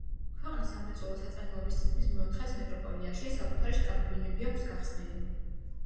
ქვეყნის სამრეწველო საწარმოების თითქმის მეოთხედს მეტროპოლიაში საკუთარი შტაბ-ბინები აქვს გახსნილი.